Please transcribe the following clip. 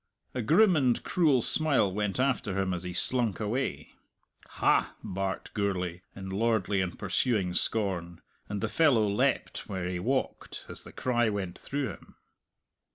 A grim and cruel smile went after him as he slunk away. "Ha!" barked Gourlay, in lordly and pursuing scorn, and the fellow leapt where he walked as the cry went through him.